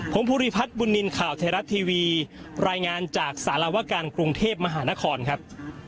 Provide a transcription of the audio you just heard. ผมภูริพัฒน์บุญนินทร์ข่าวไทยรัฐทีวีรายงานจากสารวการกรุงเทพมหานครครับ